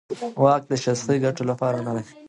واک د شخصي ګټو لپاره نه دی.